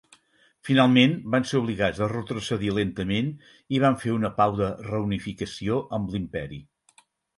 Finalment, van ser obligats a retrocedir lentament i van fer una pau de reunificació amb l'Imperi.